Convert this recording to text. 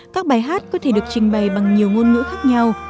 các bài hát có thể được trình bày bằng nhiều ngôn ngữ khác nhau